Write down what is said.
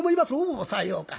「おおさようか。